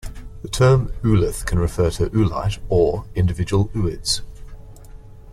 The term "oolith" can refer to oolite or individual ooids.